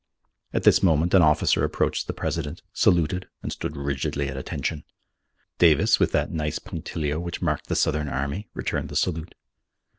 At this moment an officer approached the President, saluted and stood rigidly at attention. Davis, with that nice punctilio which marked the Southern army, returned the salute.